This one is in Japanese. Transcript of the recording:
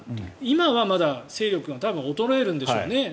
今はまだ勢力が衰えるんでしょうね。